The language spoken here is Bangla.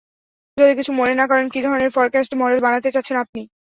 যদি কিছু মনে না করেন, কী ধরনের ফরক্যাস্ট মডেল বানাতে চাচ্ছেন আপনি?